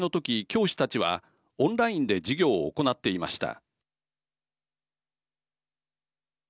教師たちはオンラインで授業を行っていました。